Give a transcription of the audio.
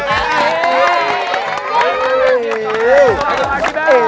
jangan lupa jangan lupa